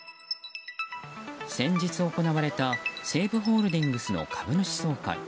先日行われた西武ホールディングスの株主総会。